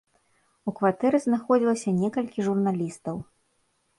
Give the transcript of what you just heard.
У кватэры знаходзілася некалькі журналістаў.